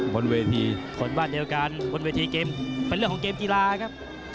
บ้านเหลือการเป็นเรื่องของเกมกีฬาครับ